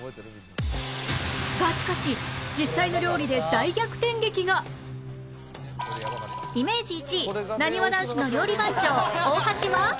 がしかしイメージ１位なにわ男子の料理番長大橋は